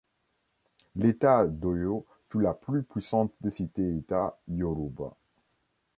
L'État d'Oyo fut la plus puissante des cités-États yorubas.